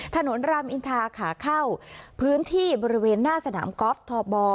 รามอินทาขาเข้าพื้นที่บริเวณหน้าสนามกอล์ฟทบ